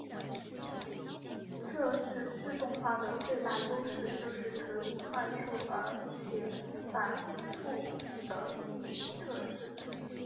测试自动化的最大优势就是可以快速而且反覆的进行测试。